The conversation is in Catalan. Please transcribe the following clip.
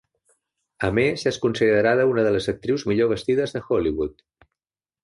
A més és considerada una de les actrius millor vestides de Hollywood.